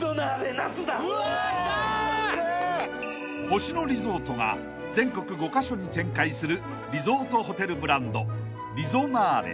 ［星野リゾートが全国５カ所に展開するリゾートホテルブランドリゾナーレ］